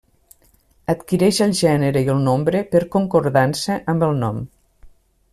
Adquireix el gènere i el nombre per concordança amb el nom.